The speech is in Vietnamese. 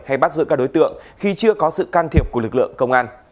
hay bắt giữ các đối tượng khi chưa có sự can thiệp của lực lượng công an